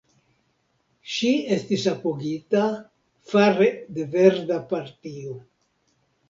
Ŝi estis apogita fare de Verda Partio.